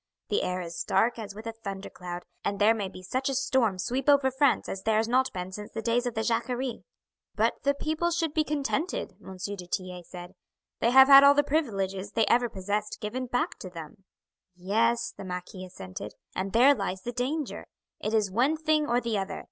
The air is dark as with a thunder cloud, and there may be such a storm sweep over France as there has not been since the days of the Jacquerie." "But the people should be contented," M. du Tillet said; "they have had all the privileges they ever possessed given back to them." "Yes," the marquis assented, "and there lies the danger. It is one thing or the other.